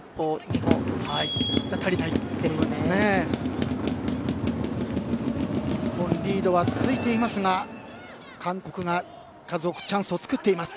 日本、リードは続いていますが韓国が数多くチャンスを作っています。